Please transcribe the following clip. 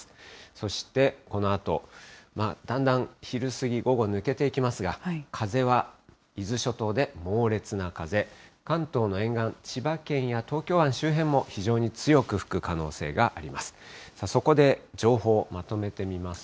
そして、このあと、まあだんだん昼過ぎ、午後、抜けていきますが、風は伊豆諸島で猛烈な風、関東の沿岸、千葉県や東京湾周辺も非常に強く吹く可能性があります。